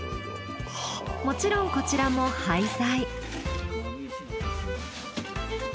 もちろんこちらも廃材。